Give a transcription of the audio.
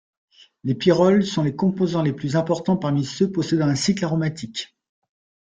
Les pyrroles sont les composants les plus importants parmi ceux possédant un cycle aromatique.